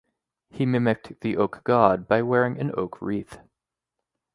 He mimicked the oak-god by wearing an oak wreath.